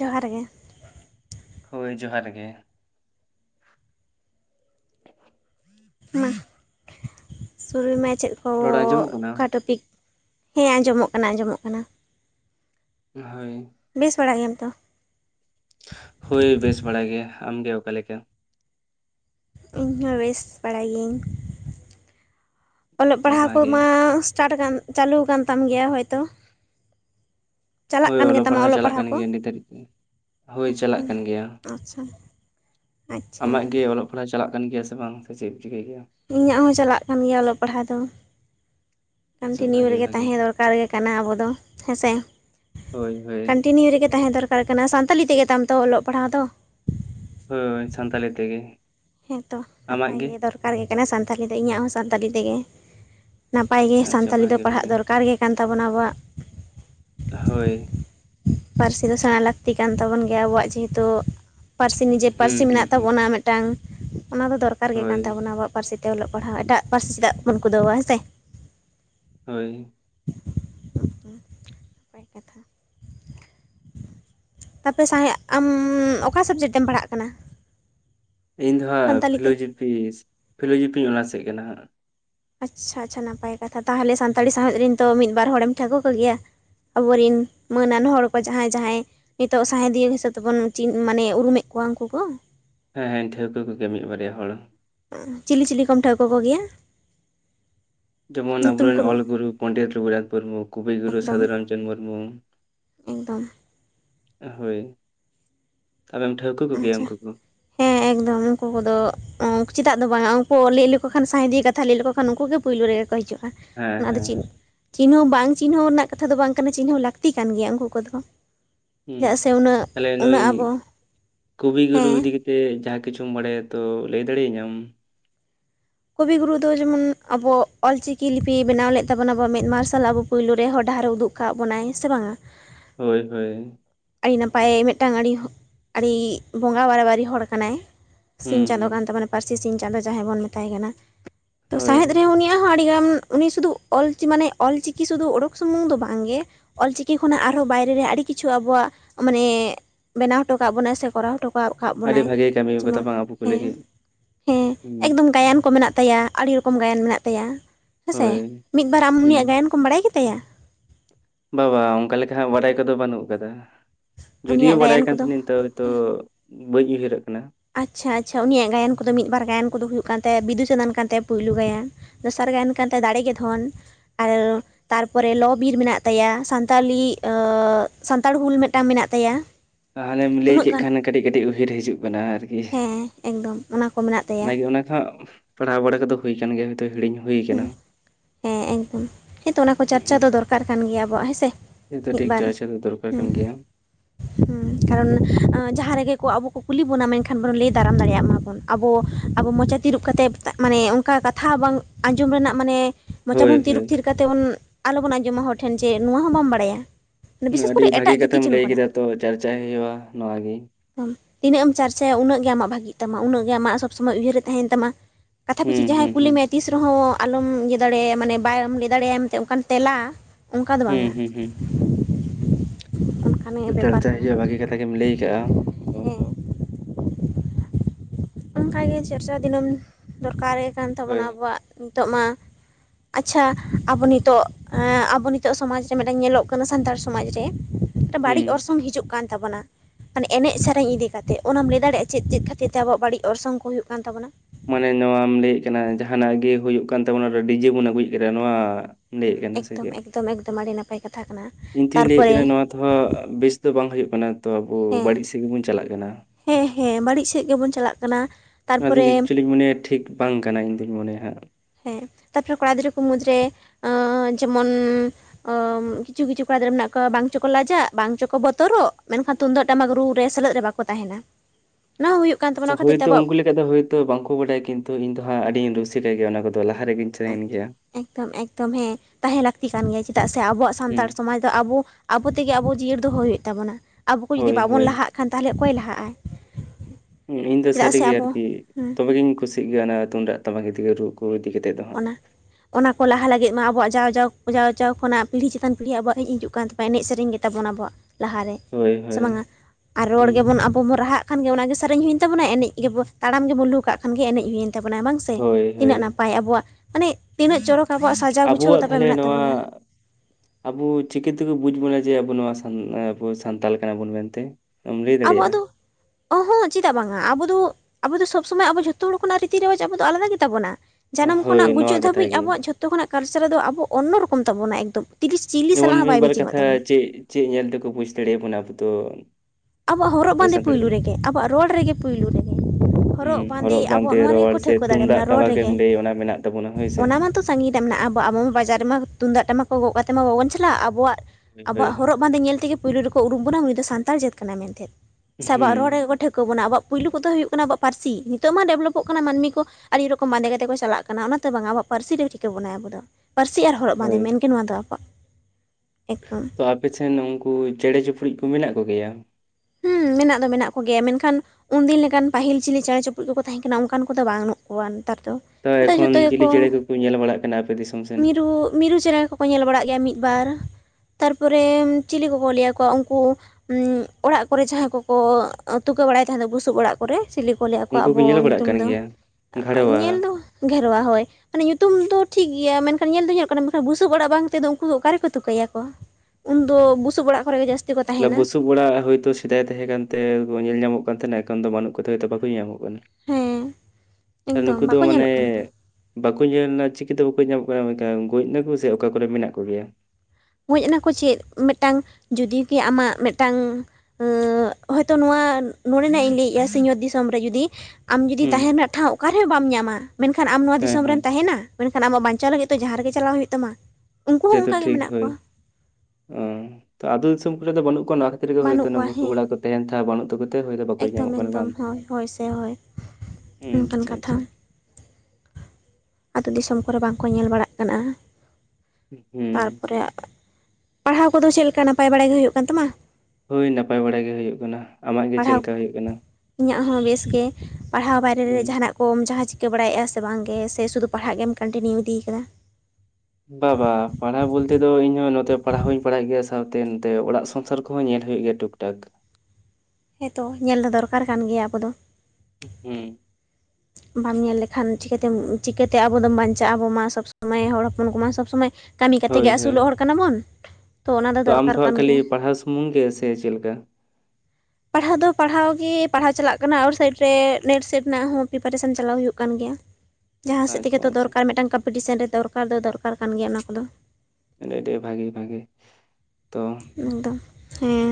ᱡᱚᱦᱟᱨ ᱜᱮ ᱦᱳᱭ ᱡᱚᱦᱟᱨ ᱜᱮ ᱢᱟ ᱥᱩᱨᱩᱭ ᱢᱮ ᱪᱮᱫ ᱠᱚ ᱨᱚᱲ ᱟᱸᱡᱚᱢᱚᱜ ᱠᱟᱱᱟ? ᱚᱠᱟ ᱴᱚᱯᱤᱠ ᱦᱮᱸ ᱟᱸᱡᱚᱢᱚᱜ ᱠᱟᱱᱟ ᱟᱸᱡᱚᱢᱚᱜ ᱠᱟᱱᱟ ᱦᱳᱭ ᱵᱮᱥ ᱵᱟᱲᱟᱜ ᱜᱮᱭᱟᱢ ᱛᱚ ᱦᱳᱭ ᱵᱮᱥ ᱵᱟᱲᱟ ᱜᱮ ᱟᱢᱜᱮ ᱚᱠᱟ ᱞᱮᱠᱟ ᱤᱧ ᱦᱚᱸ ᱵᱮᱥ ᱵᱟᱲᱟ ᱜᱤᱭᱟᱹᱧ ᱚᱞᱚᱜ ᱟᱪᱪᱷᱟ ᱯᱟᱲᱦᱟᱣ ᱵᱷᱟᱜᱮ ᱠᱚᱢᱟ ᱮᱥᱴᱟᱴ ᱠᱟᱱ ᱪᱟᱹᱞᱩ ᱠᱟᱱ ᱛᱟᱢ ᱜᱮᱭᱟ ᱦᱚᱭ ᱛᱚ ᱪᱟᱞᱟᱜ ᱦᱳᱭ ᱠᱟᱱ ᱜᱮᱛᱟ ᱢᱟ ᱚᱞᱚᱜ ᱪᱟᱞᱟᱜ ᱯᱟᱲᱦᱟᱣ ᱠᱟᱱ ᱠᱚ ᱜᱮᱭᱟ ᱱᱤᱛ ᱫᱷᱟᱹᱨᱤᱡ ᱛᱮ? ᱦᱳᱭ ᱪᱟᱞᱟᱜ ᱠᱟᱱ ᱜᱮᱭᱟ᱾ ᱟᱪᱪᱷᱟ ᱟᱪᱪᱷᱟ ᱟᱪᱪᱷᱟ ᱟᱢᱟᱜ ᱜᱮ ᱚᱞᱚᱜ ᱯᱟᱲᱦᱟᱜ ᱪᱟᱞᱟᱜ ᱠᱟᱱ ᱜᱮᱭᱟ ᱥᱮ ᱵᱟᱝ ᱥᱮ ᱪᱮᱫ ᱪᱤᱠᱟᱹᱭ ᱜᱮᱭᱟ ᱤᱧᱟᱹᱜ ᱦᱚᱸ ᱪᱟᱞᱟᱜ ᱠᱟᱱ ᱜᱮᱭᱟ ᱚᱞᱚᱜ ᱯᱟᱲᱦᱟᱜ ᱫᱚ ᱟᱪᱪᱷᱟ ᱠᱚᱱᱴᱤᱱᱤᱭᱩ ᱵᱷᱟᱜᱮ ᱨᱮᱜᱮ ᱵᱷᱟᱜᱮ ᱛᱟᱦᱮᱸ ᱫᱚᱨᱠᱟᱨ ᱜᱮ ᱠᱟᱱᱟ ᱟᱵᱚ ᱫᱚ ᱦᱮᱸ ᱥᱮ ᱦᱳᱭ ᱦᱳᱭ ᱠᱚᱱᱴᱤᱱᱤᱭᱩ ᱨᱮᱜᱮ ᱛᱟᱦᱮᱸ ᱫᱚᱨᱠᱟᱨ ᱠᱟᱱᱟ ᱥᱟᱱᱛᱟᱞᱤ ᱛᱮᱜᱮ ᱛᱟᱢ ᱛᱚ ᱚᱞᱚᱜ ᱯᱟᱲᱦᱟᱣ ᱫᱚ ᱦᱳᱭ ᱥᱟᱱᱛᱟᱞᱤ ᱛᱮᱜᱮ ᱦᱮᱸ ᱛᱚ ᱱᱟᱯᱟᱭ ᱜᱮ ᱫᱚᱨᱠᱟᱨ ᱜᱮ ᱠᱟᱱᱟ ᱥᱟᱱᱛᱟᱞᱤ ᱫᱚ ᱤᱧᱟᱹᱜ ᱦᱚᱸ ᱥᱟᱱᱛᱟᱞᱤ ᱛᱮᱜᱮ ᱱᱟᱯᱟᱭ ᱜᱮ ᱟᱪᱪᱷᱟ ᱥᱟᱱᱛᱟᱞᱤ ᱫᱚ ᱵᱷᱟᱜᱮ ᱯᱟᱲᱦᱟᱜ ᱵᱷᱟᱜᱮ ᱫᱚᱨᱠᱟᱨ ᱜᱮ ᱠᱟᱱ ᱛᱟᱵᱚᱱᱟ ᱟᱵᱚᱣᱟᱜ ᱦᱳᱭ ᱯᱟᱹᱨᱥᱤ ᱫᱚ ᱥᱮᱬᱟ ᱞᱟᱹᱠᱛᱤ ᱠᱟᱱ ᱛᱟᱵᱚᱱ ᱜᱮᱭᱟ ᱟᱵᱚᱣᱟᱜ ᱡᱮᱦᱮᱛᱩ ᱯᱟᱹᱨᱥᱤ ᱱᱤᱡᱮ ᱯᱟᱹᱨᱥᱤ ᱦᱩᱸ ᱦᱩᱸ ᱢᱮᱱᱟᱜ ᱦᱩᱸ ᱛᱟᱵᱚᱱᱟ ᱢᱤᱫᱴᱟᱝ ᱚᱱᱟ ᱫᱚ ᱫᱚᱨᱠᱟᱨ ᱜᱮ ᱦᱳᱭ ᱠᱟᱱ ᱛᱟᱵᱚᱱᱟ ᱟᱵᱚᱣᱟᱜ ᱯᱟᱹᱨᱥᱤ ᱛᱮ ᱚᱞᱚᱜ ᱯᱟᱲᱦᱟᱣ ᱮᱴᱟᱜ ᱯᱟᱹᱨᱥᱤ ᱪᱮᱫᱟᱜ ᱵᱚᱱ ᱠᱩᱫᱟᱹᱣ ᱟ ᱦᱮᱸ ᱥᱮ ᱦᱳᱭ ᱱᱟᱯᱟᱭ ᱠᱟᱛᱷᱟ ᱛᱟᱯᱮ ᱥᱟᱦᱮ ᱟᱢ ᱚᱠᱟ ᱥᱟᱵᱡᱮᱴ ᱮᱢ ᱯᱟᱲᱦᱟᱜ ᱠᱟᱱᱟ ᱤᱧ ᱫᱚ ᱦᱟᱸᱜ ᱥᱟᱱᱛᱟᱞᱤ ᱛᱮ ᱯᱷᱤᱞᱳᱡᱚᱯᱷᱤ ᱯᱷᱤᱞᱳᱡᱚᱯᱷᱤᱧ ᱚᱱᱟᱨᱥ ᱮᱫ ᱠᱟᱱᱟ ᱦᱟᱸᱜ ᱟᱪᱪᱷᱟ ᱟᱪᱪᱷᱟ ᱱᱟᱯᱟᱭ ᱠᱟᱛᱷᱟ ᱛᱟᱦᱚᱞᱮ ᱥᱟᱱᱛᱟᱲᱤ ᱥᱟᱶᱦᱮᱫ ᱨᱮᱱ ᱛᱚ ᱢᱤᱫ ᱵᱟᱨ ᱦᱚᱲᱮᱢ ᱴᱷᱟᱹᱣᱠᱟᱹ ᱠᱚᱜᱮᱭᱟ ᱟᱵᱚᱨᱤᱱ ᱢᱟᱹᱱᱟᱱ ᱦᱚᱲ ᱠᱚ ᱡᱟᱦᱟᱸᱭ ᱡᱟᱦᱟᱸᱭ ᱱᱤᱛᱚᱜ ᱥᱟᱸᱦᱮᱫᱤᱭᱟᱹ ᱦᱤᱥᱟᱹᱵ ᱛᱮᱵᱚᱱ ᱪᱤᱱ ᱢᱟᱱᱮ ᱩᱨᱩᱢᱮᱜ ᱠᱚᱣᱟ ᱩᱱᱠᱩ ᱠᱚ ᱦᱮᱸ ᱦᱮᱸ ᱴᱷᱟᱹᱣᱠᱟᱹ ᱠᱚᱜᱮᱭᱟ ᱢᱤᱫ ᱵᱟᱨᱮᱭᱟ ᱦᱚᱲ ᱪᱤᱞᱤ ᱪᱤᱞᱤ ᱠᱚᱢ ᱴᱷᱟᱹᱣᱠᱟᱹ ᱠᱚᱜᱮᱭᱟ ᱡᱮᱢᱚᱱ ᱧᱩᱛᱩᱢ ᱟᱵᱚᱨᱮᱱ ᱠᱚ ᱢᱤᱫ ᱚᱞ ᱜᱩᱨᱩ ᱯᱚᱱᱰᱤᱛ ᱨᱚᱜᱷᱩᱱᱟᱛᱷ ᱢᱩᱨᱢᱩ ᱠᱚᱵᱤᱜᱩᱨᱩ ᱮᱠᱫᱚᱢ ᱥᱟᱫᱷᱩ ᱨᱟᱢᱪᱟᱸᱫᱽ ᱢᱩᱨᱢᱩ ᱮᱠᱫᱚᱢ ᱦᱳᱭ ᱟᱢᱮᱢ ᱴᱷᱟᱹᱣᱠᱟᱹ ᱠᱚᱜᱮᱭᱟ ᱟᱪᱪᱷᱟ ᱩᱱᱠᱩ ᱠᱚ ᱦᱮᱸ ᱮᱠᱫᱚᱢ ᱩᱱᱠᱩ ᱠᱚᱫᱚ ᱚ ᱪᱮᱫᱟᱜ ᱫᱚ ᱵᱟᱝ-ᱟ ᱩᱱᱠᱩ ᱞᱟᱹᱭ ᱞᱮᱠᱚ ᱠᱷᱟᱱ ᱥᱟᱶᱦᱮᱫᱤᱭᱟᱹ ᱠᱟᱛᱷᱟ ᱞᱟᱹᱭ ᱞᱮᱠᱚ ᱠᱷᱟᱱ ᱩᱱᱠᱩ ᱜᱮ ᱯᱳᱭᱞᱳ ᱨᱮᱜᱮ ᱠᱚ ᱦᱤᱡᱩᱜ-ᱟ ᱦᱮᱸ ᱚᱱᱟ ᱫᱚ ᱦᱮᱸ ᱪᱤᱜ ᱪᱤᱱᱦᱟᱹᱣ ᱵᱟᱝ ᱪᱤᱱᱦᱟᱹᱣ ᱨᱮᱱᱟᱜ ᱠᱟᱛᱷᱟ ᱫᱚ ᱵᱟᱝ ᱠᱟᱱᱟ ᱪᱤᱱᱦᱟᱹᱣ ᱞᱟᱹᱠᱛᱤ ᱠᱟᱱ ᱜᱮᱭᱟ ᱩᱱᱠᱩ ᱠᱚᱫᱚ ᱦᱩᱸ ᱪᱮᱫᱟᱜ ᱥᱮ ᱩᱱᱟᱹᱜ ᱩᱱᱟᱹᱜ ᱟᱵᱚ ᱠᱚᱵᱤᱜᱩᱨᱩ ᱦᱮᱸ ᱤᱫᱤ ᱠᱟᱛᱮᱫ ᱡᱟᱦᱟᱸ ᱠᱤᱪᱷᱩᱢ ᱵᱟᱲᱟᱭᱟ ᱛᱚ ᱞᱟᱹᱭ ᱫᱟᱲᱮᱭᱟᱧ ᱟᱢ ᱠᱚᱵᱤᱜᱩᱨᱩ ᱫᱚ ᱡᱮᱢᱚᱱ ᱟᱵᱚ ᱚᱞ ᱪᱤᱠᱤ ᱞᱤᱯᱤ ᱵᱮᱱᱟᱣ ᱞᱮᱫ ᱛᱟᱵᱚᱱᱟᱵᱚ ᱢᱮᱫ ᱢᱟᱨᱥᱟᱞ ᱟᱵᱚ ᱯᱩᱭᱞᱳ ᱨᱮ ᱦᱚᱨ ᱰᱟᱦᱟᱨ ᱨᱮ ᱩᱫᱩᱜ ᱠᱟᱜ ᱵᱚᱱᱟᱭ ᱥᱮ ᱵᱟᱝ ᱟ ᱦᱳᱭ ᱦᱳᱭ ᱟᱹᱰᱤ ᱱᱟᱯᱟᱭ ᱢᱤᱫᱴᱟᱝ ᱟᱹᱰᱤ ᱟᱹᱰᱤ ᱵᱚᱸᱜᱟ ᱵᱟᱨᱟ ᱵᱟᱨᱤ ᱦᱚᱲ ᱠᱟᱱᱟᱭ ᱥᱤᱧ ᱦᱩᱸ ᱪᱟᱸᱫᱚ ᱦᱩᱸ ᱠᱟᱱ ᱛᱟᱵᱚᱱᱟ ᱯᱟᱹᱨᱥᱤ ᱥᱤᱧ ᱪᱟᱸᱫᱚ ᱡᱟᱦᱟᱸᱭ ᱵᱚᱱ ᱢᱮᱛᱟᱭ ᱠᱟᱱᱟ ᱦᱳᱭ ᱥᱟᱶᱦᱮᱫ ᱨᱮᱦᱚᱸ ᱩᱱᱤᱭᱟᱜ ᱦᱚᱸ ᱟᱹᱰᱤᱜᱟᱱ ᱩᱱᱤ ᱥᱩᱫᱷᱩ ᱚᱞ ᱢᱟᱱᱮ ᱚᱞᱪᱤᱠᱤ ᱥᱩᱫᱩ ᱚᱰᱳᱠ ᱥᱩᱢᱩᱝ ᱫᱚ ᱵᱟᱝ ᱜᱮ ᱚᱞᱪᱤᱠᱤ ᱠᱷᱚᱱᱟᱜ ᱟᱨᱦᱚᱸ ᱵᱟᱭᱨᱮ ᱨᱮ ᱟᱹᱰᱤ ᱠᱤᱪᱷᱩ ᱟᱵᱚᱣᱟᱜ ᱢᱟᱱᱮ ᱵᱮᱱᱟᱣ ᱦᱚᱴᱚ ᱠᱟᱜ ᱵᱚᱱᱟ ᱥᱮ ᱠᱚᱨᱟᱣ ᱦᱚᱴᱚ ᱨᱟᱠᱟᱵ ᱠᱟᱜ ᱟᱹᱰᱤ ᱵᱚᱱᱟᱭ ᱵᱷᱟᱜᱮ ᱠᱟᱹᱢᱤ ᱠᱟᱫᱟ ᱡᱮᱢᱚᱱ ᱵᱟᱝ ᱟᱵᱚ ᱠᱚ ᱦᱮᱸ ᱞᱟᱹᱜᱤᱫ ᱦᱮᱸ ᱦᱩᱸ ᱮᱠᱫᱚᱢ ᱜᱟᱭᱟᱱ ᱠᱚ ᱢᱮᱱᱟᱜ ᱛᱟᱭᱟ ᱟᱹᱰᱤ ᱨᱚᱠᱚᱢ ᱜᱟᱭᱟᱱ ᱢᱮᱱᱟᱜ ᱛᱟᱭᱟ ᱦᱮᱸ ᱥᱮ ᱦᱳᱭ ᱢᱤᱫ ᱵᱟᱨ ᱟᱢ ᱦᱩᱸ ᱩᱱᱤᱭᱟᱜ ᱜᱟᱭᱟᱱ ᱠᱚᱢ ᱵᱟᱲᱟᱭ ᱜᱮ ᱛᱟᱭᱟ ᱵᱟᱵᱟ ᱚᱱᱠᱟ ᱞᱮᱠᱟ ᱦᱟᱸᱜ ᱵᱟᱰᱟᱭ ᱠᱚᱫᱚ ᱵᱟᱹᱱᱩᱜ ᱠᱟᱫᱟ ᱡᱩᱫᱤᱭᱳ ᱩᱱᱤᱭᱟᱜ ᱵᱟᱲᱟᱭ ᱜᱟᱭᱟᱱ ᱠᱟᱱ ᱠᱚᱫᱚ ᱛᱟᱸᱦᱮᱱᱟ ᱱᱤᱛᱚ ᱱᱤᱛᱚᱜ ᱵᱟᱹᱧ ᱩᱭᱦᱟᱹᱨᱚᱜ ᱠᱟᱱᱟ ᱟᱪᱪᱷᱟ ᱟᱪᱪᱷᱟ ᱩᱱᱤᱭᱟᱜ ᱜᱟᱭᱟᱱ ᱠᱚᱫᱚ ᱢᱤᱫ ᱵᱟᱨ ᱜᱟᱭᱟᱱ ᱠᱚᱫᱚ ᱦᱩᱭᱩᱜ ᱠᱟᱱ ᱛᱟᱭᱟ ᱵᱤᱫᱩ ᱪᱟᱸᱫᱟᱱ ᱠᱟᱱ ᱛᱟᱭᱟ ᱯᱩᱭᱞᱩ ᱜᱟᱭᱟᱱ ᱫᱚᱥᱟᱨ ᱜᱟᱭᱟᱱ ᱠᱟᱱ ᱛᱟᱭ ᱫᱟᱲᱮ ᱜᱮ ᱫᱷᱚᱱ ᱟᱨ ᱛᱟᱨ ᱯᱚᱨᱮ ᱞᱚ ᱵᱤᱨ ᱢᱮᱱᱟᱜ ᱛᱟᱭᱟ ᱥᱟᱱᱛᱟᱞᱤ ᱥᱟᱱᱛᱟᱲ ᱦᱩᱞ ᱢᱤᱫ ᱴᱟᱝ ᱢᱮᱱᱟᱜ ᱛᱟᱭᱟ ᱛᱟᱦᱚᱞᱮᱢ ᱞᱟᱹᱭ ᱩᱱᱟᱹᱜ ᱠᱮᱫ ᱜᱟᱱ ᱠᱷᱟᱱ ᱠᱟᱹᱴᱤᱡ ᱠᱟᱹᱴᱤᱡ ᱩᱭᱦᱟᱹᱨ ᱦᱤᱡᱩᱜ ᱠᱟᱱᱟ ᱟᱨᱠᱤ ᱦᱮᱸ ᱮᱠᱫᱚᱢ ᱚᱱᱟ ᱠᱚ ᱢᱮᱱᱟᱜ ᱛᱟᱭᱟ ᱚᱱᱟᱜᱮ ᱚᱱᱟ ᱦᱟᱸᱜ ᱯᱟᱲᱦᱟᱣ ᱵᱟᱲᱟ ᱠᱟᱫᱚ ᱦᱩᱭ ᱠᱟᱱ ᱜᱮᱭᱟ ᱦᱚᱭᱛᱚ ᱦᱤᱲᱤᱧ ᱦᱩᱭ ᱠᱟᱱᱟ ᱦᱮᱸ ᱦᱮᱸ ᱮᱠᱫᱚᱢ ᱦᱮᱸᱛᱚ ᱚᱱᱟ ᱠᱚ ᱪᱟᱨᱪᱟ ᱫᱚ ᱫᱚᱨᱠᱟᱨ ᱠᱟᱱ ᱜᱮᱭᱟ ᱟᱵᱚᱣᱟᱜ ᱦᱮᱸᱥᱮ ᱱᱤᱛᱚ ᱢᱤᱫ ᱴᱷᱤᱠ ᱴᱟᱪᱦᱚᱸ ᱫᱚᱨᱠᱟᱨ ᱠᱟᱱ ᱜᱮᱭᱟ ᱦᱩᱸ ᱠᱟᱨᱚᱱ ᱡᱟᱦᱟᱸ ᱨᱮᱜᱮ ᱠᱚ ᱟᱵᱚ ᱠᱚ ᱠᱩᱞᱤ ᱵᱚᱱᱟ ᱢᱮᱱ ᱠᱷᱟᱱ ᱵᱚᱱ ᱞᱟᱹᱭ ᱫᱟᱨᱟᱢ ᱫᱟᱲᱮᱭᱟᱜ ᱢᱟᱵᱚᱱ ᱟᱵᱚ ᱟᱵᱚ ᱢᱚᱪᱟ ᱛᱤᱨᱩᱯ ᱠᱟᱛᱮᱫ ᱢᱟᱱᱮ ᱚᱱᱠᱟ ᱠᱟᱛᱷᱟ ᱵᱟᱝ ᱟᱸᱡᱚᱢ ᱨᱮᱱᱟᱜ ᱢᱟᱱᱮ, ᱢᱚᱪᱟ ᱦᱳᱭ ᱵᱩᱱ ᱦᱳᱭ ᱛᱤᱨᱩᱯ ᱛᱷᱤᱨ ᱠᱟ ᱛᱮᱵᱩᱱ ᱟᱞᱚ ᱵᱚᱱ ᱟᱸᱡᱚᱢᱟ ᱦᱚᱲ ᱴᱷᱮᱱ, ᱪᱮ ᱱᱚᱶᱟ ᱦᱚᱸ ᱵᱟᱢ ᱵᱟᱲᱟᱭᱟ? ᱵᱤᱥᱮᱥ ᱟᱹᱰᱤ ᱠᱚᱨᱮ ᱵᱷᱟᱹᱜᱮ ᱮᱴᱟᱜ ᱡᱟᱹᱛᱤ ᱠᱟᱛᱷᱟᱢ ᱴᱷᱮᱱ ᱞᱟᱹᱭ ᱠᱷᱚᱱᱟᱜ ᱠᱮᱫᱟ ᱛᱚ ᱪᱟᱨᱪᱟᱭ ᱦᱩᱭᱩᱜ-ᱟ ᱱᱚᱣᱟ ᱜᱮ ᱛᱤᱱᱟᱹᱜ ᱮᱢ ᱪᱟᱨᱪᱟᱭᱟ ᱩᱱᱟᱹᱜ ᱜᱮ ᱟᱢᱟᱜ ᱵᱷᱟᱹᱜᱤᱜ ᱛᱟᱢᱟ ᱩᱱᱟᱹᱜ ᱜᱮ ᱟᱢᱟᱜ ᱥᱚᱵᱥᱚᱢᱚᱭ ᱩᱭᱦᱟᱹᱨ ᱨᱮ ᱛᱟᱸᱦᱮᱭᱮᱱ ᱛᱟᱢᱟ ᱠᱟᱛᱷᱟ ᱦᱩᱸ ᱯᱤᱪᱷᱤ ᱡᱟᱦᱟᱸᱭ ᱦᱩᱸ ᱠᱩᱞᱤ ᱦᱩᱸ ᱢᱮ ᱛᱤᱥ ᱨᱮᱦᱚᱸ ᱟᱞᱚᱢ ᱤᱭᱟᱹ ᱫᱟᱲᱮᱭᱟ ᱢᱟᱱᱮ ᱵᱟᱢ ᱞᱟᱹᱭ ᱫᱟᱲᱮᱭᱟᱜ ᱟ ᱚᱱᱠᱟᱱ ᱛᱮᱞᱟ ᱚᱱᱠᱟ ᱫᱚ ᱦᱩᱸ ᱵᱟᱝᱟ ᱦᱩᱸ ᱦᱩᱸ ᱚᱱᱠᱟᱱ ᱵᱮᱯᱟᱨ ᱪᱟᱨᱪᱟ ᱠᱟᱱᱟ ᱦᱩᱭᱩᱜ-ᱟ ᱵᱷᱟᱜᱮ ᱠᱟᱛᱷᱟ ᱜᱮᱢ ᱞᱟᱹᱭ ᱠᱟᱜ-ᱟ ᱛᱚ ᱚᱱᱠᱟ ᱜᱮ ᱪᱟᱨᱪᱟ ᱫᱤᱱᱟᱹᱢ ᱫᱚᱨᱠᱟᱨ ᱜᱮ ᱠᱟᱱ ᱦᱳᱭ ᱛᱟᱵᱚᱱᱟ ᱟᱵᱚᱣᱟᱜ ᱱᱤᱛᱚᱜ ᱢᱟ ᱟᱪᱪᱷᱟ ᱟᱵᱚ ᱱᱤᱛᱚᱜ ᱟᱵᱚ ᱱᱤᱛᱚᱜ ᱥᱚᱢᱟᱡᱽ ᱨᱮ ᱢᱤᱫᱴᱟᱝ ᱧᱮᱞᱚᱜ ᱠᱟᱱᱟ ᱥᱟᱱᱛᱟᱲ ᱥᱚᱢᱟᱡ ᱨᱮ ᱢᱤᱫ ᱦᱩᱸ ᱵᱟᱹᱲᱤᱡ ᱚᱨᱥᱚᱝ ᱦᱤᱡᱩᱜ ᱠᱟᱱ ᱛᱟᱵᱚᱱᱟ ᱢᱟᱱᱮ ᱮᱱᱮᱡ ᱥᱮᱨᱮᱧ ᱤᱫᱤᱠᱟᱛᱮ ᱚᱱᱟᱢ ᱞᱟᱹᱭ ᱫᱟᱲᱮᱭᱟᱜ-ᱟ ᱪᱮᱫ ᱪᱮᱫ ᱠᱷᱟᱹᱛᱤᱨ ᱛᱮ ᱟᱵᱚᱣᱟᱜ ᱵᱟᱹᱲᱤᱡ ᱚᱨᱥᱚᱝ ᱠᱚ ᱦᱩᱭᱩᱜ ᱠᱟᱱ ᱛᱟᱵᱚᱱᱟ ᱢᱟᱱᱮ ᱱᱚᱶᱟᱢ ᱞᱟᱹᱭᱮᱜ ᱠᱟᱱᱟ ᱡᱟᱦᱟᱱᱟᱜ ᱜᱮ ᱦᱩᱭᱩᱜ ᱠᱟᱱ ᱛᱟᱵᱚᱱᱟ ᱰᱤᱡᱮ ᱵᱚᱱ ᱟᱹᱜᱩᱭᱮᱫ ᱠᱟᱱᱟ ᱱᱚᱶᱟ ᱾ ᱮᱠᱫᱚᱢ ᱮᱠᱫᱚᱢ ᱮᱠᱫᱚᱢ ᱟᱹᱰᱤ ᱱᱟᱯᱟᱭ ᱠᱟᱛᱷᱟ ᱠᱟᱱᱟ ᱾ ᱤᱧ ᱛᱩᱧ ᱞᱟᱹᱭᱮᱫ ᱠᱟᱱᱟ ᱱᱚᱣᱟ ᱛᱮᱦᱚᱸ ᱵᱮᱥ ᱫᱚ ᱵᱟᱝ ᱦᱳᱭᱳᱜ ᱠᱟᱱᱟ ᱛᱚ ᱟᱵᱚ ᱦᱮᱸ ᱵᱟᱹᱲᱤᱡ ᱥᱮᱫ ᱜᱮᱵᱚᱱ ᱪᱟᱞᱟᱜ ᱠᱟᱱᱟ ᱾ ᱦᱮᱸ ᱦᱮᱸ ᱵᱟᱹᱲᱤᱡ ᱥᱮᱜ ᱜᱮᱵᱚᱱ ᱪᱟᱞᱟᱜ ᱠᱟᱱᱟ ᱾ ᱟᱫᱩᱧ ᱮᱠᱪᱩᱭᱞᱤᱧ ᱢᱚᱱᱮᱭᱟ ᱴᱷᱤᱠ ᱵᱟᱝ ᱠᱟᱱᱟ ᱤᱧᱫᱩᱧ ᱢᱚᱱᱮᱭᱟ ᱦᱟᱸᱜ ᱾ ᱦᱮᱸ, ᱛᱟᱯᱚᱨᱮ ᱠᱚᱲᱟ ᱜᱤᱫᱽᱨᱟᱹ ᱠᱚ ᱢᱩᱫᱽ ᱨᱮ ᱮᱸ ᱡᱮᱢᱚᱱ ᱚᱸᱢ ᱠᱤᱪᱷᱩ ᱠᱤᱪᱷᱩ ᱠᱚᱲᱟ ᱜᱤᱫᱽᱨᱟᱹ ᱢᱮᱱᱟᱜ ᱠᱚᱣᱟ ᱵᱟᱝ ᱪᱚᱠᱚ ᱞᱟᱡᱟᱜ ᱵᱟᱝ ᱪᱚᱠᱚ ᱵᱚᱛᱚᱨᱚᱜ ᱢᱮᱱᱠᱷᱟᱱ ᱛᱩᱢᱫᱟᱹᱜ ᱴᱟᱢᱟᱠ ᱨᱩ ᱨᱮ ᱥᱮᱞᱮᱫ ᱨᱮ ᱵᱟᱠᱚ ᱛᱟᱦᱮᱱᱟ ᱾ ᱛᱚ ᱦᱳᱭᱛᱚ ᱩᱱᱠᱩ ᱞᱟᱹ ᱫᱚ ᱦᱳᱭᱛᱳ ᱵᱟᱝᱠᱚ ᱵᱟᱰᱟᱭᱟ ᱠᱤᱱᱛᱩ ᱤᱧ ᱫᱚ ᱦᱟᱸᱜ ᱟᱹᱰᱤᱧ ᱨᱩᱥᱤᱠᱟ ᱜᱮᱭᱟ ᱚᱱᱟ ᱠᱚᱫᱚ ᱞᱟᱦᱟ ᱨᱮᱜᱮᱧ ᱛᱟᱦᱮᱱ ᱜᱮᱭᱟ ᱾ ᱮᱠᱛᱚᱢ ᱮᱠᱛᱚᱢ ᱦᱮᱸ ᱛᱟᱦᱮᱸ ᱞᱟᱹᱠᱛᱤ ᱠᱟᱱ ᱜᱮᱭᱟ ᱪᱮᱫᱟᱜ ᱥᱮ ᱟᱵᱚᱣᱟᱜ ᱦᱩᱸ ᱥᱟᱱᱛᱟᱲ ᱥᱚᱢᱟᱡᱽ ᱫᱚ ᱟᱵᱚ ᱟᱵᱚ ᱛᱮᱜᱮ ᱟᱵᱚ ᱡᱤᱭᱟᱹᱲ ᱫᱚᱦᱚᱭ ᱦᱩᱭᱩᱜ ᱛᱟᱵᱚᱱᱟ ᱾ ᱟᱵᱚ ᱠᱚ ᱡᱩᱫᱤ ᱦᱳᱭ ᱵᱟᱵᱚᱱ ᱦᱳᱭ ᱞᱟᱦᱟᱜ ᱠᱷᱟᱱ ᱛᱟᱦᱚᱞᱮ ᱚᱠᱚᱭ ᱞᱟᱦᱟᱜᱼᱟ? ᱦᱩᱸ ᱤᱧ ᱫᱚ ᱥᱟᱹᱨᱤ ᱜᱮ ᱟᱨᱠᱤ ᱛᱚᱵᱮᱜᱤᱧ ᱠᱩᱥᱤᱜ ᱜᱮᱭᱟ ᱚᱱᱟ ᱛᱩᱢᱫᱟᱜ ᱴᱟᱢᱟᱠ ᱤᱫᱤᱜᱮ ᱨᱩ ᱠᱚ ᱤᱫᱤ ᱠᱟᱛᱮᱜ ᱫᱚ ᱾ ᱚᱱᱟ ᱚᱱᱟ ᱠᱚ ᱞᱟᱦᱟ ᱞᱟᱹᱜᱤᱜ ᱢᱟ ᱟᱵᱚᱣᱟᱜ ᱡᱟᱣ ᱡᱟᱣ ᱡᱟᱣ ᱡᱟᱣ ᱠᱷᱚᱱᱟᱜ ᱯᱤᱲᱦᱤ ᱪᱮᱛᱟᱱ ᱯᱤᱲᱦᱤ ᱟᱵᱚᱣᱟᱜ ᱦᱮᱡ ᱦᱤᱡᱩᱜ ᱠᱟᱱ ᱛᱟᱵᱚᱱᱟ ᱮᱱᱮᱡ ᱥᱮᱨᱮᱧ ᱜᱮᱛᱟ ᱵᱚᱱ ᱟᱵᱚᱣᱟᱜ ᱞᱟᱦᱟᱨᱮ ᱦᱳᱭ ᱥᱮ ᱦᱳᱭ ᱵᱟᱝᱼᱟ? ᱟᱨ ᱨᱚᱲ ᱦᱩᱸ ᱜᱮᱵᱚᱱ ᱟᱵᱚ ᱵᱚᱱ ᱨᱟᱦᱟᱼᱟᱜ ᱠᱷᱟᱱ ᱜᱮ ᱚᱱᱟᱜᱮ ᱥᱮᱨᱮᱧ ᱦᱩᱭᱮᱱ ᱛᱟᱵᱚᱱᱟ ᱾ ᱮᱱᱮᱡ ᱜᱮᱵᱚ ᱛᱟᱲᱟᱢ ᱜᱮᱵᱚᱱ ᱞᱩᱦᱩᱠ ᱠᱟᱜ ᱠᱷᱟᱱ ᱜᱮ ᱮᱱᱮᱡ ᱦᱩᱭᱮᱱ ᱛᱟᱵᱚᱱᱟ ᱵᱟᱝ ᱥᱮ ᱦᱳᱭ ᱦᱳᱭ ᱛᱤᱱᱟᱹᱜ ᱱᱟᱯᱟᱭ ᱟᱵᱚᱣᱟᱜ ᱾ ᱢᱟᱱᱮ ᱛᱤᱱᱟᱹᱜ ᱪᱚᱨᱚᱠ ᱟᱵᱚᱣᱟᱜ ᱥᱟᱡᱟᱣ ᱜᱩᱪᱷᱟᱹᱣ ᱛᱟᱯᱮ ᱢᱮᱱᱟᱜ ᱛᱟᱵᱚ ᱱᱟ ᱾ ᱟᱵᱩ ᱪᱤᱠᱟᱹ ᱛᱮᱠᱚ ᱵᱩᱡᱽ ᱵᱩᱱᱟ ᱡᱮ ᱟᱵᱩ ᱱᱚᱶᱟ ᱥᱟᱱ-ᱮᱸ ᱟᱵᱩ ᱥᱟᱱᱛᱟᱞ ᱠᱟᱱᱟ ᱵᱩᱱ ᱢᱮᱱ ᱛᱮ? ᱟᱵᱩᱼᱣᱟᱜ ᱫᱚ ᱚᱦᱚ ᱪᱮᱫᱟᱜ ᱵᱟᱝᱼᱟ ᱟᱵᱚ ᱫᱚ ᱟᱵᱚ ᱥᱚᱵ ᱥᱚᱢᱚᱭ ᱟᱵᱚ ᱡᱷᱚᱛᱚ ᱦᱚᱲ ᱠᱷᱚᱱᱟᱜ ᱨᱤᱛᱤ ᱨᱮᱣᱟᱡᱽ ᱟᱵᱚ ᱫᱚ ᱟᱞᱟᱫᱟ ᱜᱮᱛᱟ ᱵᱚᱱᱟ ᱾ ᱡᱟᱱᱟᱢ ᱦᱳᱭ ᱠᱷᱚᱱᱟᱜ ᱱᱚᱣᱟ ᱜᱩᱡᱩᱜ ᱠᱟᱛᱷᱟ ᱫᱷᱟᱹᱵᱤᱡ ᱜᱮ ᱟᱵᱚᱣᱟᱜ ᱡᱷᱚᱛᱚ ᱠᱷᱚᱱᱟᱜ ᱠᱟᱞᱪᱟ ᱨᱮᱫᱚ ᱟᱵᱚ ᱚᱱᱚ ᱨᱚᱠᱚᱢ ᱛᱟᱵᱚᱱᱟ ᱮᱠᱫᱚᱢ ᱾ ᱛᱤᱨᱤᱥ ᱪᱤᱞᱞᱤ ᱥᱟᱞᱟᱜ ᱦᱚᱸ ᱵᱟᱭ ᱢᱤᱪᱤᱝᱚᱜ ᱛᱟᱵᱚᱱᱟ ᱪᱮᱜ ᱧᱮᱞ ᱛᱮᱠᱚ ᱵᱩᱡᱽ ᱫᱟᱲᱮᱭᱟ ᱵᱚᱱᱟ ᱟᱵᱚ? ᱟᱵᱚᱣᱟᱜ ᱦᱚᱨᱚᱜ ᱵᱟᱸᱫᱮ ᱥᱟᱱᱛᱟᱲ ᱯᱩᱭᱞᱩ ᱠᱟᱱᱟ ᱨᱮᱜᱮ ᱟᱵᱚᱣᱟᱜ ᱨᱚᱲ ᱨᱮᱜᱮ ᱯᱩᱭᱞᱩ ᱨᱮᱜᱮ ᱾ ᱦᱩᱸ ᱦᱚᱨᱚᱜ ᱵᱟᱸᱫᱮ ᱟᱵᱚᱣᱟᱜ ᱱᱚᱣᱟ ᱨᱮᱜᱮ ᱨᱚᱲ ᱠᱚ ᱥᱮ ᱴᱷᱟᱹᱣᱠᱟᱹ ᱛᱩᱢᱫᱟᱜ ᱫᱟᱲᱮᱭᱟ-ᱱᱟ ᱨᱚᱲ ᱴᱟᱢᱟᱠᱮᱢ ᱨᱮᱜᱮ, ᱞᱟᱹᱭ ᱚᱱᱟ ᱢᱮᱱᱟᱜ ᱛᱟᱵᱚᱱᱟ ᱦᱳᱭ ᱥᱮ ᱚᱱᱟ ᱢᱟᱛᱚ ᱥᱟᱜᱤᱧ ᱨᱮ ᱢᱮᱱᱟᱜᱼᱟ ᱟᱵᱚᱼᱟᱜ ᱟᱵᱚ ᱵᱟᱡᱟᱨ ᱨᱮᱢᱟ ᱛᱩᱢᱫᱟᱜ ᱴᱟᱢᱟᱠ ᱠᱚ ᱜᱚᱜ ᱠᱟᱛᱮ ᱢᱟ ᱵᱟᱵᱚᱱ ᱪᱟᱞᱟᱜ, ᱟᱵᱚᱣᱟᱜ ᱦᱳᱭ ᱟᱵᱚᱼᱟᱜ ᱦᱳᱭ ᱦᱚᱨᱚᱜ ᱵᱟᱸᱫᱮ ᱧᱮᱞ ᱛᱮᱜᱮ ᱯᱩᱭᱞᱳ ᱨᱮᱠᱚ ᱩᱨᱩᱢ ᱵᱚᱱᱟ ᱱᱩᱭ ᱫᱚ ᱥᱟᱱᱛᱟᱲ ᱡᱟᱹᱛ ᱠᱟᱱᱟᱭ ᱢᱮᱱᱛᱮ ᱾ ᱥᱮ ᱦᱩᱸ ᱟᱵᱚᱣᱟᱜ ᱨᱚᱲ ᱨᱮᱜᱮ ᱠᱚ ᱴᱷᱣᱠᱟᱹ ᱵᱚᱱᱟ ᱟᱵᱚᱣᱟ ᱯᱩᱭᱞᱩ ᱠᱚᱫᱚ ᱦᱩᱭᱩᱜ ᱠᱟᱱᱟ ᱟᱵᱚᱼᱟᱜ ᱯᱟᱹᱨᱥᱤ, ᱱᱤᱛᱚᱜ ᱢᱟ ᱰᱮᱵᱷᱞᱚᱯᱚᱜ ᱠᱟᱱᱟ ᱢᱟᱹᱱᱢᱤ ᱠᱚ ᱟᱹᱰᱤ ᱨᱚᱠᱚᱢ ᱵᱟᱸᱫᱮ ᱠᱚᱛᱮ ᱠᱚ ᱪᱟᱞᱟᱜ ᱠᱟᱱᱟ ᱚᱱᱟᱛᱮ ᱵᱟᱝᱼᱟ ᱟᱵᱚᱣᱟᱜ ᱯᱟᱹᱨᱥᱤ ᱜᱮ ᱴᱤᱠᱟᱹ ᱵᱚᱱᱟ ᱟᱵᱚ ᱫᱚ ᱾ ᱯᱟᱨᱥᱤ ᱟᱨ ᱦᱚᱨᱚᱜ ᱵᱟᱸᱫᱮ ᱦᱳᱭ ᱢᱮᱱᱜᱮ ᱱᱚᱣᱟ ᱫᱚ ᱟᱠᱵᱚᱼᱟᱜ ᱮᱠ-ᱫᱚᱢ ᱾ ᱛᱚ ᱟᱯᱮ ᱥᱮᱱ ᱩᱱᱠᱩ ᱪᱮᱬᱮ ᱪᱤᱯᱲᱩᱡ ᱠᱩ ᱢᱮᱱᱟᱜ ᱠᱚ ᱜᱮᱭᱟ? ᱦᱩᱸ ᱢᱮᱱᱟᱜ ᱫᱚ ᱢᱮᱱᱟᱜ ᱠᱚ ᱜᱮᱭᱟ, ᱢᱮᱱᱠᱷᱟᱱ ᱩᱱ ᱫᱤᱱ ᱞᱮᱠᱟᱱ ᱯᱟᱹᱤᱞ ᱪᱤᱞᱤ ᱪᱮᱬᱮ ᱪᱩᱯᱩᱡ ᱠᱚᱠᱚ ᱛᱟᱦᱮᱸ ᱠᱟᱱᱟ ᱚᱱᱠᱟᱱ ᱠᱚᱫᱚ ᱵᱟᱝ-ᱱᱩᱜ ᱠᱚᱣᱟ ᱱᱮᱛᱟᱨ ᱫᱚ ᱛᱚ ᱾ ᱟᱫᱚ ᱮᱠᱷᱚᱱ ᱡᱷᱚᱛᱚ ᱪᱤᱞᱤ ᱜᱮᱠᱚ, ᱪᱮᱬᱮ ᱠᱚᱠᱚ ᱧᱮᱞ ᱵᱟᱲᱟᱜ ᱠᱟᱱᱟ ᱟᱯᱮ ᱫᱤᱥᱚᱢ ᱥᱮᱱ ᱢᱤᱨᱩ-ᱢᱤᱨᱩ ᱪᱮᱬᱮ ᱠᱚ ᱠᱚ ᱧᱮᱞ ᱵᱟᱲᱟᱜ ᱜᱮᱭᱟ ᱢᱤᱫ ᱵᱟᱨ ᱾ ᱛᱟᱨ-ᱯᱚᱨᱮ ᱪᱤᱞᱤ ᱠᱚᱠᱚ ᱞᱟᱹᱭ ᱟᱠᱚᱣᱟ ᱩᱱᱠᱩ ᱩᱸᱻᱜ ᱚᱲᱟᱜ? ᱠᱚᱨᱮ ᱡᱟᱦᱟᱸᱭ ᱠᱚᱠᱚ ᱛᱩᱠᱟᱹ ᱵᱟᱲᱟᱭ ᱛᱟᱦᱮᱸ ᱱᱟ ᱵᱩᱥᱩᱵ ᱚᱲᱟᱜ ᱚᱨᱮ ᱥᱤᱞᱤ ᱠᱚ ᱞᱮᱫ ᱟᱠᱚᱣᱟ ᱩᱱᱠᱩ ᱠᱚ ᱟᱵᱚ ᱧᱮᱞ ᱵᱟᱲᱟᱜ ᱧᱩᱛᱩᱢ ᱠᱟᱱ ᱫᱚ ᱜᱮᱭᱟ ᱜᱷᱟᱲᱣᱟ ᱧᱮᱞ ᱫᱚ ᱜᱷᱮᱨᱣᱟ ᱦᱳᱭ ᱢᱟᱱᱮ ᱧᱩᱛᱩᱢ ᱫᱚ ᱴᱷᱤᱠ ᱜᱮᱭᱟ ᱢᱮᱱᱠᱷᱟᱱ ᱢᱟᱱᱮ ᱧᱩᱛᱩᱢ ᱫᱚ ᱴᱷᱤᱠ ᱜᱤᱭᱟ ᱢᱮᱱᱠᱷᱟᱱ ᱧᱮᱞ ᱫᱚ ᱧᱮᱞᱚᱜ ᱠᱟᱱᱟ ᱢᱮᱱᱠᱷᱟᱱ ᱵᱩᱥᱩᱵ ᱚᱲᱟᱜ ᱵᱟᱝ ᱛᱮᱫᱚ ᱩᱱᱠᱩ ᱫᱚ ᱚᱠᱟᱨᱮ ᱠᱚ ᱛᱩᱠᱟᱹᱭᱟ ᱠᱚ ᱩᱱᱫᱚ ᱵᱩᱥᱩᱵ ᱚᱲᱟᱜ ᱠᱚᱨᱮ ᱜᱮ ᱡᱟᱹᱥ ᱞᱚ ᱵᱩᱵᱥᱩ ᱚᱲᱟᱜ ᱦᱳᱭ ᱛᱚ ᱥᱮᱫᱟᱭ ᱛᱮᱦᱮᱸ ᱠᱟᱱ ᱛᱮ ᱠᱩ ᱧᱮᱞ ᱧᱟᱢᱚᱜ ᱠᱟᱱ ᱛᱟᱦᱮᱸᱱᱟ ᱮᱠᱷᱚᱱ ᱫᱚ ᱵᱟᱹᱱᱩᱜ ᱠᱚᱛᱮ ᱵᱟᱠᱚ ᱧᱟᱢᱚᱜ ᱠᱟᱱᱟ ᱦᱮᱸ ᱾ ᱱᱩᱠᱩ ᱮᱠᱫᱚᱢ ᱫᱚ ᱵᱟᱠᱚ ᱢᱟᱱᱮ ᱧᱮᱞᱚᱜ ᱠᱟᱱᱟ ᱛᱚ ᱵᱟᱠᱩ ᱡᱚᱭᱮᱱ ᱫᱟ ᱪᱤᱠᱟᱹ ᱛᱮ ᱵᱟᱠᱩ ᱧᱟᱢᱚᱜ ᱠᱟᱱᱟ ᱢᱮᱛᱟ ᱜᱚᱡ ᱱᱟᱠᱩ ᱥᱮ ᱚᱠᱟ ᱠᱚᱨᱮ ᱢᱮᱱᱟᱜ ᱠᱚ ᱜᱮᱭᱟ? ᱦᱚᱡ ᱮᱱᱟ ᱠᱚ ᱪᱮᱫ ᱢᱮᱜᱴᱟᱝ ᱡᱩᱫᱤ ᱜᱮ ᱟᱢᱟᱜ ᱢᱮᱜᱴᱟᱝ ᱩᱸᱻ ᱦᱚᱭᱛᱳ ᱱᱚᱶᱟ ᱱᱚᱰᱮ ᱱᱟᱜ ᱤᱧ ᱞᱟᱹᱭᱮᱜᱼᱟ ᱥᱤᱧ ᱛᱚ ᱫᱤᱥᱚᱢ ᱨᱮ ᱡᱩᱫᱤ ᱟᱢ ᱡᱩᱫᱤ ᱦᱩᱸ ᱛᱟᱦᱮ ᱮᱱᱟᱜ ᱴᱷᱟᱶ ᱚᱠᱟ ᱨᱮᱦᱚᱸ ᱵᱟᱢ ᱧᱟᱢᱟ ᱢᱮᱱᱠᱷᱟᱱ ᱟᱢ ᱱᱚᱣᱟ ᱦᱮᱸ ᱫᱤᱥᱚᱢ ᱦᱮᱸ ᱨᱮᱢ ᱛᱟᱦᱮᱱᱟ? ᱢᱮᱱᱠᱷᱟᱱ ᱟᱢᱟᱜ ᱵᱟᱧᱪᱟᱣ ᱞᱟᱹᱜᱤᱫ ᱛᱚ ᱡᱟᱦᱟᱸ ᱨᱮᱜᱮ ᱪᱟᱞᱟᱣ ᱦᱩᱭᱩᱜ ᱛᱟᱢᱟ? ᱩᱱᱠᱩ ᱦᱚᱸ ᱥᱮᱛᱚ ᱚᱱᱠᱟ ᱜᱮ ᱴᱷᱤᱠ ᱢᱮᱱᱟᱜ ᱦᱳᱭ ᱠᱚᱣᱟ ᱟᱹᱛᱩ ᱫᱤᱥᱚᱢ ᱠᱚᱨᱮ ᱫᱚ ᱵᱟᱹᱱᱩᱜ ᱠᱚᱣᱟ ᱱᱚᱣᱟ [unintelligible] ᱠᱷᱟᱹᱛᱤᱨᱜᱮ ᱦᱚᱭᱛᱳ ᱵᱟᱹᱱᱩᱜ ᱠᱚᱣᱟ [unintelligible] ᱵᱩᱥᱩᱵ ᱦᱮᱸ ᱚᱲᱟᱜ ᱠᱚ ᱛᱮᱦᱮᱸᱱ ᱛᱷᱟ ᱵᱟᱹᱱᱩᱜ ᱛᱟᱠᱩ ᱛᱮ ᱵᱟᱸᱠᱚ ᱮᱠᱫᱚᱢ ᱧᱟᱢᱚᱜ ᱠᱟᱱᱟ ᱮᱠᱫᱚᱢ ᱵᱟᱝ ᱦᱳᱭ ᱦᱳᱭ ᱥᱮ ᱦᱳᱭ ᱦᱸ ᱚᱱᱠᱟᱱ ᱟᱪᱪᱷᱟ ᱠᱟᱛᱷᱟ ᱟᱪᱪᱷᱟ ᱟᱛᱩ ᱫᱤᱥᱚᱢ ᱠᱚᱨᱮ ᱵᱟᱝᱠᱚ ᱧᱮᱞ ᱵᱟᱲᱟᱜ ᱠᱟᱱᱟ ᱦᱩᱸ ᱛᱟᱨᱯᱚᱨᱮ ᱯᱟᱲᱦᱟᱣ ᱠᱚᱫᱚ ᱪᱮᱫ ᱞᱮᱠᱟ ᱱᱟᱯᱟᱭ ᱵᱟᱲᱟ ᱜᱮ ᱦᱩᱭᱩᱜ ᱠᱟᱱ ᱛᱟᱢᱟ ᱦᱳᱭ ᱱᱟᱯᱟᱭ ᱵᱟᱲᱟ ᱜᱮ ᱦᱩᱭᱩᱜ ᱠᱟᱱᱟ ᱟᱢᱟᱜ ᱜᱮ ᱪᱮᱜ ᱯᱟᱲᱦᱟᱣ ᱞᱮᱠᱟ ᱦᱩᱭᱩᱜ ᱠᱟᱱᱟ ᱤᱧᱟᱹᱜ ᱦᱚᱸ ᱵᱮᱥ ᱜᱮ ᱯᱟᱲᱦᱟ ᱵᱟᱭᱨᱮ ᱨᱮ ᱦᱩᱸ ᱡᱟᱦᱟᱸᱱᱟᱜ [unintelligible] ᱠᱚᱢ ᱡᱟᱦᱟᱸ ᱪᱤᱠᱟᱹ ᱵᱟᱲᱟᱭᱮᱫᱼᱟ ᱥᱮ ᱵᱟᱝᱜᱮ ᱥᱮ ᱥᱩᱫᱩ ᱯᱟᱲᱦᱟᱜ ᱜᱮᱢ ᱠᱚᱱᱴᱤᱱᱤᱭᱩ ᱤᱫᱤᱭ ᱠᱟᱫᱟ ᱵᱟᱝ ᱵᱟᱝ ᱯᱟᱲᱦᱟᱣ ᱵᱚᱞᱛᱮ ᱫᱚ ᱤᱧᱦᱚᱸ ᱱᱚᱛᱮ ᱯᱟᱲᱦᱟᱣ ᱦᱚᱸᱧ ᱯᱟᱲᱦᱟᱜ ᱜᱮᱭᱟ ᱥᱟᱶᱛᱮ ᱱᱚᱛᱮ ᱚᱲᱟᱜ ᱥᱚᱝᱥᱟᱨ ᱠᱚᱦᱚᱸ ᱧᱮᱞ ᱦᱩᱭᱩᱜ ᱜᱮᱭᱟ ᱴᱩᱠᱴᱟᱠ ᱦᱮᱸ ᱛᱚ ᱧᱮᱞ ᱫᱚ ᱫᱚᱨᱠᱟᱨ ᱠᱟᱱ ᱜᱮᱭᱟ ᱟᱵᱚ ᱫᱚ ᱦᱮᱸ ᱵᱟᱢ ᱧᱮᱞ ᱞᱮᱠᱷᱟᱱ ᱪᱤᱠᱟᱹᱛᱮᱢ ᱪᱤᱠᱟᱹᱛᱮ ᱟᱵᱚ ᱫᱚᱢ ᱵᱟᱧᱪᱟᱜᱼᱟ ᱟᱵᱚᱱ ᱢᱟ ᱥᱚᱵᱽ ᱥᱚᱢᱚᱭ ᱦᱚᱲ ᱦᱚᱯᱚᱱ ᱠᱚᱢᱟ ᱥᱚᱵᱽ ᱥᱚᱢᱚᱭ ᱠᱟᱹᱢᱤ ᱠᱟᱛᱮ ᱦᱳᱭ ᱜᱮ ᱦᱳᱭ ᱟᱹᱥᱩᱞᱚᱜ ᱦᱚᱲ ᱠᱟᱱᱟ ᱵᱚᱱ ᱚᱱᱟ ᱛᱚ ᱟᱢ ᱫᱚᱨᱠᱟᱨ ᱫᱚ ᱦᱟᱸᱜ ᱠᱟᱱ ᱠᱷᱟᱹᱞᱤ ᱜᱮᱭᱟ ᱯᱟᱲᱦᱟᱣ ᱥᱩᱢᱩᱝ ᱜᱮ ᱥᱮ ᱪᱮᱫ ᱞᱮᱠᱟ ᱯᱟᱲᱦᱟᱣ ᱫᱚ ᱯᱟᱲᱦᱟᱣ ᱜᱮ ᱯᱟᱲᱦᱟᱣ ᱪᱟᱞᱟᱜ ᱠᱟᱱᱟ ᱟᱣᱩᱴ ᱥᱟᱭᱤᱰ ᱨᱮ ᱱᱮᱴ ᱥᱮᱴ ᱨᱮᱱᱟᱜ ᱦᱚᱸ ᱯᱨᱤᱯᱟᱨᱮᱥᱚᱱ ᱪᱟᱞᱟᱣ ᱦᱩᱭᱩᱜ ᱠᱟᱱ ᱜᱮᱭᱟ [inaudible] ᱡᱟᱦᱟᱸ ᱥᱮᱫ ᱛᱮᱜᱮ ᱟᱪᱪᱷᱟ ᱛᱚ ᱟᱪᱪᱷᱟ ᱫᱚᱨᱠᱟᱨ ᱢᱤᱫᱴᱟᱝ ᱠᱚᱢᱯᱤᱴᱤᱥᱟᱱ ᱨᱮ ᱫᱚᱨᱠᱟᱨ ᱫᱚ ᱫᱚᱨᱠᱟᱨ ᱠᱟᱱ ᱜᱮᱭᱟ ᱚᱱᱟ ᱠᱚᱫᱚ ᱟᱹᱰᱤ ᱟᱹᱰᱤ ᱵᱷᱟᱜᱤᱼᱵᱷᱟᱜᱤ ᱛᱚ ᱮᱠ ᱫᱚᱢ ᱦᱮᱸ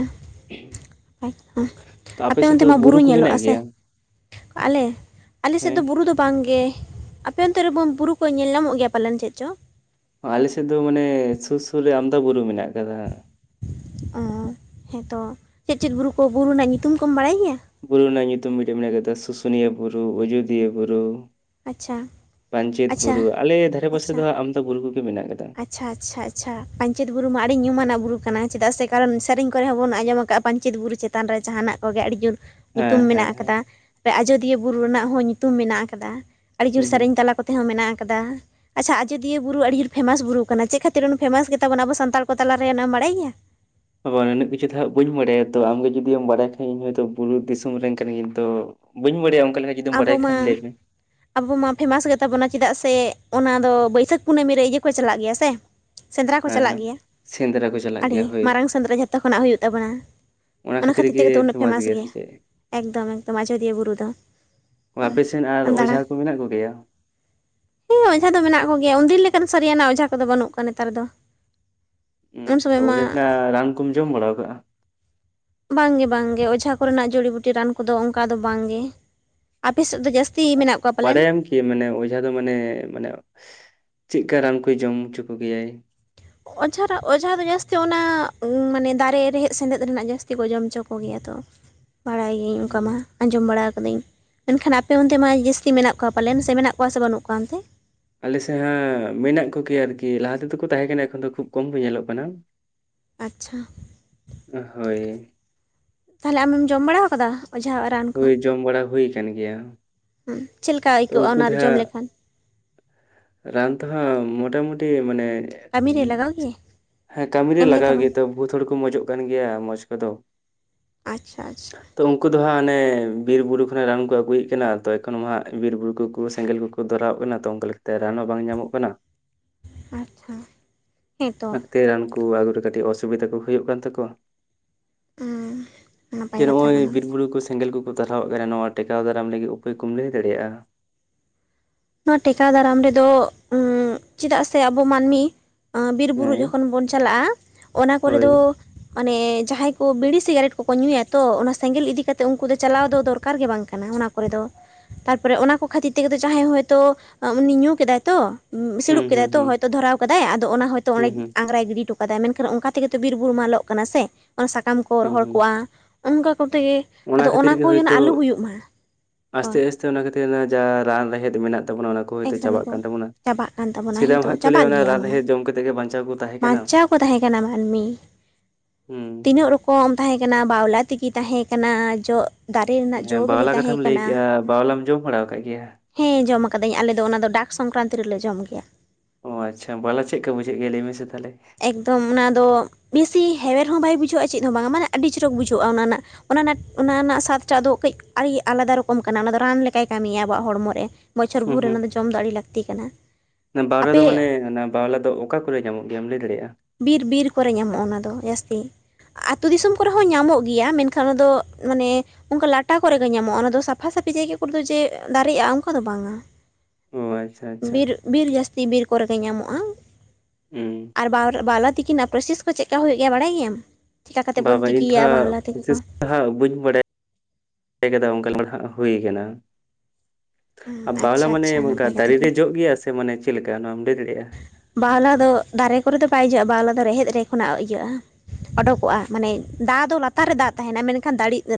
ᱟᱪᱪᱷᱟ ᱛᱚ ᱟᱯᱮ ᱥᱮᱫ ᱚᱱᱛᱮ ᱫᱚ ᱢᱟ ᱵᱩᱨᱩ ᱠᱚ ᱢᱮᱱᱟᱜ ᱧᱮᱞᱚᱜᱼᱟ ᱥᱮ ᱜᱮᱭᱟ ᱟᱞᱮ ᱟᱞᱮ ᱥᱮᱫ ᱦᱮᱸ ᱫᱚ ᱵᱩᱨᱩ ᱫᱚ ᱵᱟᱝ ᱜᱮ ᱟᱯᱮ ᱚᱱᱛᱮ ᱨᱮ ᱵᱚᱱ ᱵᱩᱨᱩ ᱠᱚ ᱧᱮᱞ ᱧᱟᱢᱚᱜ ᱜᱮᱭᱟ ᱯᱟᱞᱮᱱ ᱪᱮᱫ ᱪᱚ ᱟᱞᱮ ᱥᱮᱫ ᱫᱚ ᱢᱟᱱᱮ ᱥᱩᱨ ᱥᱩᱨ ᱨᱮ ᱟᱢᱫᱟ ᱵᱩᱨᱩ ᱢᱮᱱᱟᱜ ᱟᱠᱟᱫᱟ ᱦᱟ ᱚ ᱦᱮᱸ ᱛᱚ ᱪᱮᱫ ᱪᱮᱫ ᱵᱩᱨᱩ ᱠᱚ ᱵᱩᱨᱩ ᱨᱮᱱᱟᱜ ᱧᱩᱛᱩᱢ ᱠᱚᱢ ᱵᱟᱲᱟᱭ ᱜᱮᱭᱟ ᱵᱩᱨᱩ ᱨᱮᱱᱟᱜ ᱧᱩᱛᱩᱢ ᱢᱤᱫᱴᱮᱱ ᱢᱮᱱᱟᱜ ᱠᱟᱫᱟ ᱥᱩᱥᱩᱱᱤᱭᱟᱹ ᱵᱩᱨᱩ ᱟᱡᱳᱫᱤᱭᱟᱹ ᱵᱩᱨᱩ ᱟᱪᱪᱷᱟ ᱯᱟᱧᱪᱤᱛ ᱟᱪᱪᱷᱟ ᱵᱩᱨᱩ ᱟᱞᱮ ᱫᱷᱟᱨᱮ ᱯᱟᱥᱮ ᱟᱪᱪᱷᱟ ᱫᱚ ᱦᱟᱸᱜ ᱟᱢᱫᱟ ᱵᱩᱨᱩ ᱠᱚᱜᱮ ᱢᱮᱱᱟᱜ ᱠᱟᱫᱟ ᱟᱪᱪᱷᱟ ᱟᱪᱪᱷᱟ ᱟᱪᱪᱷᱟ ᱯᱟᱧᱪᱤᱛ ᱵᱩᱨᱩ ᱢᱟ ᱟᱹᱰᱤ ᱧᱩᱢᱟᱱᱟᱜ ᱵᱩᱨᱩ ᱠᱟᱱᱟ ᱪᱮᱫᱟᱜ ᱥᱮ ᱠᱟᱨᱚᱱ ᱥᱮᱨᱮᱧ ᱠᱚᱨᱮ ᱦᱚᱸ ᱵᱚᱱ ᱟᱸᱡᱚᱢ ᱟᱠᱟᱜ ᱯᱟᱧᱤᱛ ᱵᱩᱨᱩ ᱪᱤᱛᱟᱸ [unintelligible] ᱪᱮᱛᱟᱱ ᱨᱮ ᱡᱟᱦᱟᱱᱟᱜ ᱠᱚ ᱜᱮ ᱟᱹᱰᱤ ᱡᱩᱨ ᱧᱩᱛᱩᱢ ᱦᱮᱸ ᱦᱮᱸ ᱢᱮᱱᱟᱜ ᱦᱮᱸ ᱟᱠᱟᱫᱟ ᱟᱡᱳᱫᱤᱭᱟᱹ ᱵᱩᱨᱩ ᱨᱮᱱᱟᱜ ᱦᱚᱸ ᱧᱩᱛᱩᱢ ᱢᱮᱱᱟᱜ ᱟᱠᱟᱫᱟ ᱟᱹᱰᱤ ᱡᱩᱨ ᱦᱩᱸ ᱦᱩᱸ ᱥᱮᱨᱮᱧ ᱛᱟᱞᱟ ᱠᱚᱛᱮ ᱦᱚᱸ ᱢᱮᱱᱟᱜ ᱟᱠᱟᱫᱟ ᱟᱪᱪᱷᱟ ᱟᱡᱚᱫᱤᱭᱟᱹ ᱵᱩᱨᱩ ᱟᱹᱰᱤ ᱡᱩᱨ ᱯᱷᱮᱢᱟᱥ ᱵᱩᱨᱩ ᱠᱟᱱᱟ ᱪᱮᱫ ᱠᱷᱟᱹᱛᱤᱨ ᱩᱱᱠᱩ ᱯᱷᱮᱢᱟᱥ ᱜᱮ ᱛᱟᱵᱚᱱᱟ ᱟᱵᱚ ᱥᱟᱱᱛᱟᱲ ᱠᱚ ᱛᱟᱞᱟ ᱨᱮ ᱚᱱᱟ ᱮᱢ ᱵᱟᱲᱟᱭ ᱜᱮᱭᱟ ᱟᱵᱟᱨ ᱩᱱᱟᱹᱜ ᱠᱤᱪᱷᱩ ᱫᱚ ᱦᱟᱜ ᱵᱟᱹᱧ ᱵᱟᱰᱟᱭᱟ ᱛᱚ ᱟᱢᱜᱮ ᱡᱚᱫᱤᱢ ᱵᱟᱰᱟᱭ ᱠᱷᱟᱡ ᱤᱧ ᱦᱚᱭᱛᱳ ᱵᱩᱨᱩ ᱫᱤᱥᱚᱢ ᱨᱮᱱ ᱠᱟᱱᱟ ᱤᱧ ᱛᱚ ᱵᱟᱹᱧ ᱵᱟᱲᱟᱭᱟ ᱚᱱᱠᱟ ᱞᱮᱠᱟ [unintelligible] ᱟᱵᱚ ᱠᱷᱟᱱ ᱢᱟᱸ ᱞᱟᱹᱭ ᱢᱮ ᱟᱵᱩ ᱢᱟ ᱯᱷᱮᱢᱟᱥ ᱜᱮ ᱛᱟᱵᱚᱱᱟ ᱪᱮᱫᱟᱜ ᱥᱮ ᱚᱱᱟ ᱫᱚ ᱵᱟᱹᱭᱥᱟᱹᱠ ᱠᱩᱱᱟᱹᱢᱤ ᱨᱮ ᱤᱭᱟᱹ ᱠᱚ ᱪᱟᱞᱟᱜ ᱜᱮᱭᱟ ᱥᱮ ᱥᱮᱸᱫᱽᱨᱟ ᱠᱚ ᱦᱮᱸ ᱪᱟᱞᱟᱜ ᱦᱮᱸ ᱜᱮᱭᱟ ᱥᱮᱸᱫᱽᱨᱟ ᱠᱚ ᱪᱟᱞᱟᱜ ᱟᱹᱰᱤ ᱜᱮᱭᱟ ᱦᱳᱭ ᱢᱟᱨᱟᱝ ᱥᱮᱸᱫᱽᱨᱟ ᱡᱷᱚᱛᱚ ᱠᱷᱚᱱᱟᱜ ᱦᱩᱭᱩᱜ ᱛᱟᱵᱚᱱᱟ ᱚᱱᱟ ᱠᱷᱟᱹᱛᱤᱨ ᱛᱮᱜᱮ ᱛᱚ ᱩᱱᱟᱹᱜ ᱯᱷᱮᱢᱟᱥ ᱜᱮᱭᱟ ᱮᱠᱫᱚᱢ ᱮᱠᱫᱚᱢ ᱟᱡᱚᱫᱤᱭᱟᱹ ᱵᱩᱨᱩ ᱫᱚ ᱟᱯᱮ ᱥᱮᱱ ᱟᱨ ᱚᱡᱷᱟ ᱠᱚ ᱢᱮᱱᱟᱜ ᱠᱚᱜᱮᱭᱟ ᱦᱳᱭ ᱚᱡᱷᱟ ᱫᱚ ᱢᱮᱱᱟᱜ ᱠᱚᱜᱮᱭᱟ ᱩᱱᱫᱤᱱ ᱞᱮᱠᱟᱱ ᱥᱟᱹᱨᱤᱭᱟᱱ ᱚᱡᱷᱟ ᱠᱚᱫᱚ ᱵᱟᱹᱱᱩᱜ ᱠᱚᱣᱟ ᱱᱮᱛᱟᱨ ᱫᱚ ᱩᱱ ᱥᱚᱢᱚᱭ ᱩ ᱢᱟ ᱚᱱᱟᱜ ᱨᱟᱱ ᱠᱚᱢ ᱡᱚᱢ ᱵᱟᱲᱟ ᱠᱟᱜ-ᱟ ᱵᱟᱝ ᱜᱮ ᱵᱟᱝ ᱜᱮ ᱚᱡᱷᱟ ᱠᱚᱨᱮᱱᱟᱜ ᱡᱩᱲᱤ ᱵᱩᱴᱤ ᱨᱟᱱ ᱠᱚ ᱫᱚ ᱚᱱᱠᱟ ᱫᱚ ᱵᱟᱝ ᱜᱮ ᱟᱯᱮ ᱥᱮᱫ ᱫᱚ ᱡᱟᱹᱥᱛᱤ [unintelligible] ᱦᱮᱻ ᱠᱚᱣᱟ ᱯᱟᱞᱮᱱ ᱵᱟᱰᱟᱭᱟᱢ ᱤᱭᱟᱹ ᱢᱟᱱᱮ ᱚᱡᱷᱟ ᱫᱚ ᱢᱟᱱᱮ ᱢᱟᱱᱮ ᱪᱮᱫᱠᱟ ᱨᱟᱱ ᱠᱚᱭ ᱡᱚᱢ ᱚᱪᱚ ᱠᱚᱜᱮ ᱭᱟᱭ ᱚᱡᱷᱟ ᱨᱟ ᱚᱡᱷᱟ ᱫᱚ ᱡᱟᱹᱥᱛᱤ ᱚᱱᱟ ᱢᱟᱱᱮ ᱫᱟᱨᱮ ᱨᱮᱦᱮᱫ ᱥᱮᱸᱫᱮᱫ ᱨᱮᱱᱟᱜ ᱡᱟᱹᱥᱛᱤ ᱠᱚ ᱡᱚᱢᱪᱚ ᱠᱚᱜᱮᱭᱟ ᱛᱚ [inaudible] ᱵᱟᱲᱟᱭ ᱜᱤᱭᱟᱹᱧ ᱚᱱᱠᱟ ᱢᱟ ᱦᱩᱸ᱾ ᱟᱸᱡᱚᱢ ᱵᱟᱲᱟ ᱠᱟᱹᱫᱟᱹᱧ ᱢᱮᱱ ᱠᱷᱟᱱ ᱟᱯᱮ ᱚᱱᱛᱮ ᱢᱟᱸ ᱡᱟᱹᱥᱛᱤ ᱢᱮᱱᱟᱜ ᱠᱚᱣᱟ ᱯᱟᱞᱮᱱ ᱥᱮ ᱢᱮᱱᱟᱜ ᱠᱚᱣᱟ ᱥᱮ ᱵᱟᱹᱱᱩᱜ ᱠᱚᱣᱟ ᱚᱱᱛᱮ ᱟᱞᱮ ᱥᱮᱫ ᱦᱟᱸ ᱢᱮᱱᱟᱜ ᱠᱚ ᱜᱮᱭᱟ ᱟᱨᱠᱤ ᱞᱟᱦᱟ ᱛᱮᱫᱚ ᱠᱚ ᱛᱟᱦᱮᱸ ᱠᱟᱱᱟ ᱮᱠᱷᱚᱱ ᱫᱚ ᱠᱷᱩᱵᱽ ᱠᱚᱢ ᱠᱚ ᱧᱮᱞᱚᱜ ᱠᱟᱱᱟ ᱟᱪᱪᱷᱟ ᱚᱦ-ᱦᱳᱭ ᱛᱟᱦᱚᱞᱮ ᱟᱢᱮᱢ ᱡᱚᱢ ᱵᱟᱲᱟ ᱟᱠᱟᱫᱟ ᱚᱡᱷᱟ-ᱟᱜ ᱨᱟᱱ ᱦᱩᱭ ᱡᱚᱢ ᱵᱟᱲᱟ ᱦᱩᱭ ᱟᱠᱟᱱᱟ [unintelligible] ᱦᱩᱸ ᱪᱮᱫᱞᱮᱠᱟ ᱟᱹᱭᱠᱟᱹᱜ-ᱟ ᱩᱱᱠᱩ ᱚᱱᱟ ᱫᱚ ᱨᱮ ᱡᱚᱢ ᱦᱟᱸᱜ ᱞᱮᱠᱷᱟᱱ ᱨᱟᱱ ᱛᱮᱦᱟᱸᱜ ᱢᱳᱚᱴᱟᱢᱩᱴᱤ ᱢᱟᱱᱮ ᱠᱟᱹᱢᱤᱨᱮ ᱞᱟᱜᱟᱜ-ᱟ ᱠᱤ ᱦᱮᱸ ᱠᱟᱹᱢᱤᱨᱮ ᱞᱟᱜᱟᱣ ᱜᱮᱛᱚ ᱵᱚᱦᱩᱛ ᱦᱚᱲ ᱠᱚ ᱢᱚᱸᱚᱡᱚᱜ ᱠᱟᱱ ᱜᱮᱭᱟ ᱢᱚᱸᱡᱽ ᱠᱚᱫᱚ ᱟᱪᱪᱷᱟ ᱟᱪᱪᱷᱟ ᱛᱚ ᱩᱱᱠᱩ ᱫᱚ ᱦᱟᱸᱜ ᱦᱟᱱᱮ ᱵᱤᱨ ᱵᱩᱨᱩ ᱠᱷᱚᱱᱟᱜ ᱨᱟᱱ ᱠᱚ ᱟᱹᱜᱩᱭᱮᱫ ᱠᱟᱱᱟ ᱛᱚ ᱮᱠᱷᱚᱱ ᱦᱟᱸᱜ ᱵᱤᱨ ᱵᱩᱨᱩ ᱠᱚᱠᱚ ᱥᱮᱸᱜᱮᱞ ᱠᱚᱠᱚ ᱫᱷᱚᱨᱟᱣᱚᱜ ᱠᱟᱱᱟ ᱛᱚ ᱚᱱᱠᱟ ᱞᱮᱠᱟᱛᱮ ᱨᱟᱱ ᱦᱚᱸ ᱵᱟᱝ ᱧᱟᱢᱚᱜ ᱠᱟᱱᱟ ᱟᱪᱪᱷᱟ ᱦᱮᱸ ᱛᱚ ᱛᱮ ᱨᱟᱱ ᱠᱚ ᱟᱹᱜᱩᱛᱮ ᱠᱟᱹᱴᱤᱡ ᱚᱥᱩᱵᱤᱫᱟ ᱠᱚ ᱦᱩᱭᱩᱜ ᱠᱟᱱ ᱛᱟᱠᱚᱣᱟ ᱱᱟᱯᱟᱭ ᱡᱮ ᱠᱟᱛᱷᱟ ᱱᱚᱜ-ᱚᱭ ᱠᱟᱱᱟ ᱵᱤᱨ ᱵᱩᱨᱩ ᱠᱚ ᱥᱮᱸᱜᱮᱞ ᱠᱚᱠᱚ ᱛᱟᱨᱦᱟᱣᱟᱜ ᱠᱟᱱᱟ ᱱᱚᱣᱟ ᱴᱮᱠᱟᱣ ᱫᱟᱨᱟᱢ ᱞᱟᱹᱜᱤᱫ ᱩᱯᱟᱹᱭ ᱠᱚᱢ ᱞᱟᱹᱭ ᱫᱟᱲᱮᱭᱟᱜ-ᱟ᱾ ᱱᱚᱣᱟ ᱴᱮᱠᱟᱣ ᱫᱟᱨᱟᱢ ᱨᱮᱫᱚ ᱩᱸᱜ ᱪᱮᱫᱟᱜ ᱥᱮ ᱟᱵᱚ ᱢᱟᱹᱱᱢᱤ ᱵᱤᱨ ᱵᱩᱨᱩ ᱦᱮᱸ ᱡᱚᱠᱷᱚᱱ ᱵᱚᱱ ᱪᱟᱞᱟᱜ-ᱟ ᱚᱱᱟ ᱠᱚᱨᱮ ᱦᱳᱭ ᱫᱚ ᱚᱱᱮ ᱡᱟᱦᱟᱸᱭ ᱠᱚ ᱵᱤᱲᱤ ᱥᱤᱜᱟᱨᱮᱴ ᱠᱚᱠᱚ ᱧᱩᱭᱟ ᱛᱚ ᱚᱱᱟ ᱥᱮᱸᱜᱮᱞ ᱤᱫᱤ ᱠᱟᱛᱮ ᱩᱱᱠᱩ ᱫᱚ ᱪᱟᱞᱟᱣ ᱫᱚ ᱫᱚᱨᱠᱟᱨ ᱜᱮ ᱵᱟᱝ ᱠᱟᱱᱟ ᱚᱱᱟ᱾ ᱠᱚ ᱫᱚ ᱛᱟᱨᱯᱚᱨᱮ ᱚᱱᱟ ᱠᱚ ᱠᱷᱟᱹᱛᱤᱨ ᱛᱮᱜᱮ ᱛᱚ ᱡᱟᱦᱟᱸᱭ ᱦᱚᱭᱛᱚ ᱩᱱᱤ ᱧᱩ ᱠᱮᱫᱟᱭ ᱛᱚ ᱩᱸᱻ ᱦᱩᱸ ᱥᱤᱲᱩᱵ ᱦᱩᱸ ᱠᱮᱫᱟᱭ ᱛᱚ ᱦᱩᱸ ᱦᱚᱭᱛᱚ ᱫᱷᱚᱨᱟᱣ ᱠᱟᱫᱟᱭ ᱟᱫᱚ ᱚᱱᱟ ᱦᱚᱭᱛᱚ ᱚᱸᱰᱮ ᱦᱩᱸ ᱦᱩᱸ ᱟᱝᱨᱟᱭ ᱜᱤᱰᱤ ᱦᱚᱴᱚ ᱠᱟᱫᱟ, ᱢᱮᱱᱠᱷᱟᱱ ᱚᱱᱠᱟ ᱛᱮᱜᱮᱛᱚ ᱵᱤᱨ ᱵᱩᱨᱩ ᱢᱟ ᱞᱚᱜ ᱠᱟᱱᱟ ᱥᱮ ᱚᱱᱟ ᱥᱟᱠᱟᱢ ᱠᱚ ᱦᱩᱸ ᱨᱚᱦᱚᱲ ᱦᱩᱸ ᱠᱚᱜ-ᱟ ᱚᱱᱠᱟ ᱠᱚᱛᱮ ᱜᱮ ᱟᱫᱚ ᱚᱱᱟ ᱠᱷᱟᱹᱛᱤᱨ ᱜᱮ ᱠᱚ ᱡᱮᱱᱚ ᱟᱞᱚ ᱦᱩᱭᱩᱜ ᱢᱟ ᱦᱮᱸ ᱥᱮ ᱚᱱᱟ ᱠᱷᱟᱹᱛᱤᱨ ᱡᱟ ᱨᱟᱱ ᱨᱮᱦᱮᱫ ᱢᱮᱱᱟᱜ ᱛᱟᱵᱚᱱᱟ ᱚᱱᱟ ᱠᱚ ᱦᱳᱭᱛᱳ ᱮᱠᱫᱚᱢ ᱪᱟᱵᱟᱜ ᱮᱠᱫᱚᱢ ᱠᱟᱱ ᱛᱟᱵᱚᱱᱟ ᱪᱟᱵᱟᱜ ᱠᱟᱱ ᱛᱟᱵᱚᱱᱟ ᱥᱮᱫᱟᱭ ᱢᱟ ᱦᱟᱸᱜ ᱱᱤᱛᱚᱜ ᱠᱚ ᱞᱟᱹᱭᱟ ᱪᱟᱵᱟᱜ ᱚᱱᱟ ᱜᱮᱭᱟ ᱨᱟᱱ ᱚᱱᱟᱢᱟ ᱨᱮᱦᱮᱫ ᱡᱚᱢ ᱠᱟᱛᱮ ᱜᱮ ᱵᱟᱧᱪᱟᱣ ᱠᱚ ᱛᱟᱦᱮᱸ ᱠᱟᱱᱟ᱾ ᱵᱟᱧᱪᱟᱣ ᱠᱚ ᱛᱟᱦᱮᱸ ᱠᱟᱱᱟ ᱦᱩᱸ ᱠᱚ ᱮᱢ ᱛᱟᱦᱮᱸ ᱠᱟᱱᱟ ᱵᱟᱣᱞᱟ ᱛᱮᱜᱤ ᱛᱟᱦᱮᱸ ᱠᱟᱱᱟ ᱡᱚᱜ ᱦᱮᱸ ᱵᱟᱣᱞᱟ ᱠᱟᱛᱷᱟᱢ ᱞᱟᱹᱭ ᱠᱮᱜ-ᱟ ᱵᱟᱣᱞᱟᱢ ᱡᱚᱢ ᱵᱟᱲᱟ ᱟᱠᱟᱜ ᱜᱮᱭᱟ ᱦᱮᱸ ᱡᱚᱢ ᱠᱟᱫᱟᱹᱧ ᱟᱞᱮ ᱫᱚ ᱚᱱᱟ ᱫᱚ ᱰᱟᱠ ᱥᱚᱝᱠᱨᱟᱱᱛᱤ ᱨᱮᱞᱮ ᱡᱚᱢ ᱜᱮᱭᱟ᱾ ᱚ ᱟᱪᱪᱷᱟ ᱵᱟᱣᱞᱟ ᱪᱮᱫᱠᱟ ᱵᱩᱡᱷᱟᱹᱜ ᱜᱮᱭᱟ ᱞᱟᱹᱭ ᱢᱮᱥᱮ ᱛᱟᱦᱞᱮ ᱮᱠᱫᱚᱢ ᱚᱱᱟᱫᱚ ᱵᱮᱥᱤ ᱦᱮᱣᱮᱨ ᱦᱚᱸ ᱵᱟᱭ ᱵᱩᱡᱷᱟᱹᱜ-ᱟ ᱪᱮᱫᱦᱚᱸ ᱵᱟᱝᱟ ᱢᱟᱱᱮ ᱟᱹᱰᱤ ᱪᱚᱨᱚᱠ ᱵᱩᱡᱷᱟᱹᱜ-ᱟ ᱚᱱᱟ ᱨᱮᱱᱟᱜ ᱚᱱᱟ ᱨᱮᱱᱟᱜ ᱚᱱᱟ ᱨᱮᱱᱟᱜ ᱥᱟᱫᱴᱟᱜ ᱫᱚ ᱠᱟᱹᱡ ᱟᱹᱰᱤ ᱟᱞᱟᱫᱟ ᱨᱚᱠᱚᱢ ᱠᱟᱱᱟ ᱚᱱᱟ ᱫᱚ ᱨᱟᱱ ᱞᱮᱠᱟᱭ ᱠᱟᱹᱢᱤᱭᱟ ᱟᱵᱚᱣᱟᱜ ᱦᱚᱲᱢᱚ ᱨᱮ ᱵᱚᱪᱷᱚᱨ ᱦᱩᱸ ᱵᱷᱳᱨ ᱨᱮ ᱦᱩᱸ ᱚᱱᱟ ᱫᱚ ᱡᱚᱢ ᱫᱚ ᱟᱹᱰᱤ ᱞᱟᱹᱠᱛᱤ ᱠᱟᱱᱟ ᱚᱱᱟ ᱵᱟᱣᱞᱟ ᱫᱚ ᱟᱯᱮ ᱢᱟᱱᱮ ᱚᱱᱟ ᱵᱟᱣᱞᱟ ᱫᱚ ᱚᱠᱟ ᱠᱚᱨᱮ ᱧᱟᱢᱚᱜ ᱜᱮᱭᱟᱢ ᱞᱟᱹᱭ ᱫᱟᱲᱮᱭᱟᱜ-ᱟ ᱵᱤᱨ ᱵᱤᱨ ᱠᱚᱨᱮ ᱧᱟᱢᱚᱜ-ᱟ ᱚᱱᱟ ᱫᱚ ᱡᱟᱹᱥᱛᱤ᱾ ᱟᱹᱛᱩ ᱫᱤᱥᱚᱢ ᱠᱚᱨᱮ ᱦᱚᱸ ᱧᱟᱢᱚᱜ ᱜᱮᱭᱟ ᱢᱮᱱᱠᱷᱟᱱ ᱚᱱᱟᱫᱚ ᱢᱟᱱᱮ ᱚᱱᱠᱟ ᱞᱟᱴᱟ ᱠᱚᱨᱮ ᱜᱮ ᱧᱟᱢᱚᱜ-ᱟ ᱚᱱᱟ ᱫᱚ ᱥᱟᱯᱷᱟ ᱥᱟᱯᱷᱤ ᱡᱟᱭᱜᱟ ᱠᱚᱨᱮ ᱫᱚ ᱡᱮ ᱫᱟᱨᱮᱜ-ᱟ ᱚᱱᱠᱟ ᱫᱚ ᱵᱟᱝ-ᱟ᱾ ᱚ ᱟᱪᱪᱷᱟ ᱟᱪᱪᱷᱟ ᱵᱤᱨ ᱵᱤᱨ ᱡᱟᱹᱥᱛᱤ ᱵᱤᱨ ᱠᱚᱨᱮ ᱜᱮ ᱧᱟᱢᱚᱜ-ᱟ᱾ ᱦᱩᱸ ᱟᱨ ᱵᱟᱣᱨ ᱵᱟᱣᱞᱟ ᱛᱤᱠᱤ ᱨᱮᱱᱟᱜ ᱯᱨᱚᱥᱮᱥ ᱠᱚ ᱪᱮᱫᱠᱟ ᱦᱩᱭᱩᱜ ᱜᱮᱭᱟ ᱵᱟᱲᱟᱭ ᱜᱮᱭᱟᱢ ᱪᱮᱠᱟ ᱠᱟᱛᱮ ᱵᱟ ᱵᱚᱱ ᱵᱟ ᱤᱧ ᱫᱚ ᱛᱤᱠᱤᱭᱟ ᱦᱟᱸᱜ ᱵᱟᱣᱞᱟ ᱛᱤᱠᱤ ᱠᱚ ᱵᱤᱥᱮᱥ ᱦᱟᱸᱜ ᱵᱟᱹᱧ ᱵᱟᱲᱟᱭ ᱠᱟᱫᱟ [inaudible] ᱚᱱᱠᱟ ᱦᱟᱸᱜ ᱦᱩᱭᱩ ᱠᱟᱱᱟ ᱦᱩᱸ, ᱟᱨ ᱵᱟᱟᱣᱞᱟ ᱟᱪᱪᱷᱟ ᱢᱟᱱᱮ ᱟᱪᱪᱷᱟ ᱚᱱᱠᱟ ᱱᱟᱯᱟᱭ ᱠᱟᱛᱷᱟ ᱫᱟᱨᱮ ᱨᱮ ᱠᱟᱱᱟ ᱡᱚᱜ ᱜᱮᱭᱟ ᱥᱮ ᱢᱟᱱᱮ ᱪᱮᱫᱞᱮᱠᱟ ᱚᱱᱟᱢ ᱞᱟᱹᱭ ᱫᱟᱲᱮᱭᱟᱜᱼᱟ ᱵᱟᱣᱞᱟ ᱫᱚ ᱫᱟᱨᱮ ᱠᱚᱨᱮ ᱫᱚ ᱵᱟᱭ ᱡᱚᱜᱼᱟ ᱵᱟᱟᱣᱞᱟ ᱫᱚ ᱨᱮᱦᱮᱫ ᱨᱮ ᱠᱷᱚᱱᱟᱜ ᱤᱭᱟᱹᱜᱼᱟ ᱚᱰᱚᱠᱚᱜ-ᱟ ᱢᱟᱱᱮ ᱫᱟᱜ ᱫᱚ ᱞᱟᱛᱟᱨ ᱨᱮ ᱫᱟᱜ ᱛᱟᱦᱮᱱᱟ ᱢᱮᱱᱠᱷᱟᱱ ᱫᱟᱲᱮᱜ